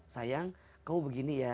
sayang kamu begini ya